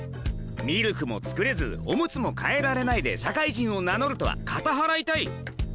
ミルクも作れずおむつも替えられないで社会人を名乗るとは片腹痛い。